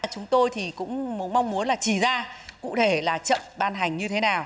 chúng tôi thì cũng mong muốn là chỉ ra cụ thể là chậm ban hành như thế nào